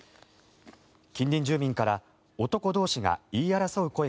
近隣住民から男同士が言い争う